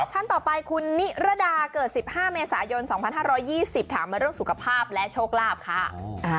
ท่านต่อไปคุณนิรดาเกิด๑๕เมษายน๒๕๒๐ถามมาเรื่องสุขภาพและโชคลาภค่ะ